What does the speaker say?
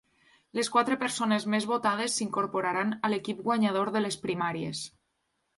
Les quatre persones més votades s’incorporaran a l’equip guanyador de les primàries.